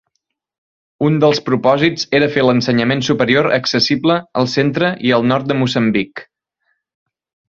Un dels propòsits era fer l'ensenyament superior accessible al centre i el nord de Moçambic.